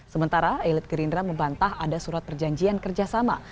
sementara elit gerindra membantah ada surat perjanjian kerjasama